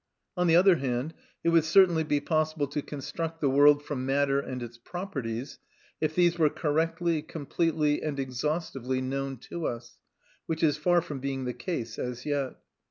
On the other hand, it would certainly be possible to construct the world from matter and its properties if these were correctly, completely, and exhaustively known to us (which is far from being the case as yet).